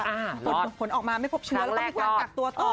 ผลออกมาไม่พบเชื้อแล้วก็มีการกักตัวต่อ